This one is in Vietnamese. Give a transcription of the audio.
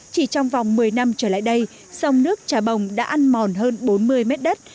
chỉ trong vòng một mươi năm trở lại đây sông nước trà bồng đã ăn mòn hơn bốn mươi mét đất